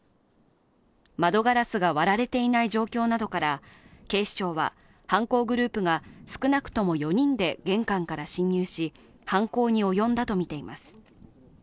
窓ガラスが割られていない状況などから警視庁は犯行グループが少なくとも４人で玄関から侵入し犯行に及んだとみています。